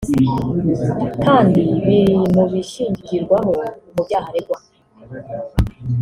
kandi biri mu bishingirwaho mu byaha aregwa